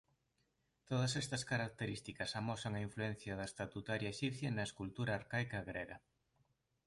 Todas estas características amosan a influencia da estatuaria exipcia na escultura arcaica grega.